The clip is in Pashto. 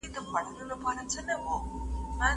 دوی ئې د را ودولو وسع نلري